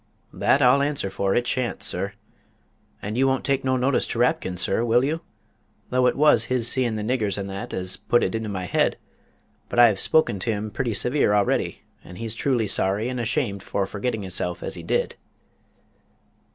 "That I'll answer for it shan't, sir. And you won't take no notice to Rapkin, sir, will you? Though it was his seein' the niggers and that as put it into my 'ed; but I 'ave spoke to him pretty severe already, and he's truly sorry and ashamed for forgetting hisself as he did."